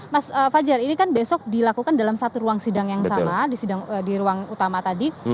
mas fajar ini kan besok dilakukan dalam satu ruang sidang yang sama di ruang utama tadi